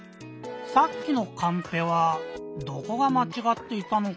さっきのカンペはどこがまちがっていたのかな？